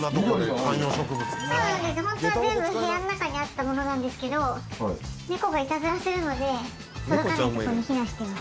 ホントは全部部屋の中にあったものなんですけど猫がいたずらするので届かないとこに避難しています。